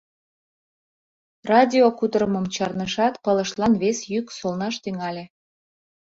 Радио кутырымым чарнышат, пылышлан вес йӱк солнаш тӱҥале.